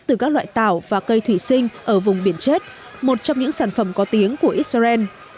từ các loại tảo và cây thủy sinh ở vùng biển chết một trong những sản phẩm có tiếng của israel